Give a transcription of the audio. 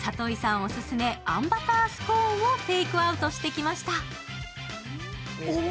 オススメあんバタースコーンをテークアウトしてきました。